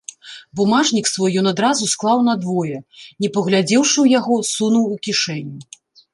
Бумажнік свой ён адразу склаў надвое, не паглядзеўшы ў яго, сунуў у кішэню.